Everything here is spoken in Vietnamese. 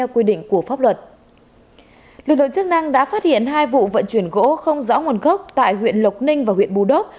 lực lượng chức năng đã phát hiện hai vụ vận chuyển gỗ không rõ nguồn gốc tại huyện lộc ninh và huyện bù đốc